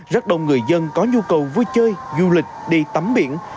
rất đông người dân có nhu cầu vui chơi du lịch đi tắm biển